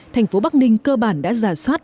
thành phố bắc ninh cơ bản đã giả soát